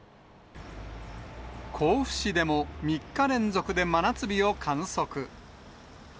甲府市でも、３日連続で真夏日を観測。